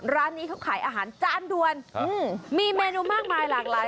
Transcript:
ร้านนี้เขาขายอาหารจานด่วนมีเมนูมากมายหลากหลาย